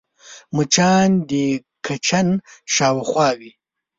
مچان د کچن شاوخوا وي